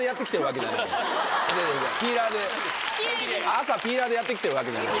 朝ピーラーでやってきてるわけじゃない。